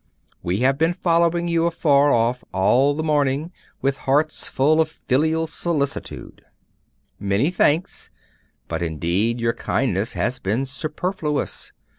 We have been following you afar off all the morning, with hearts full of filial solicitude.' 'Many thanks; but indeed your kindness has been superfluous.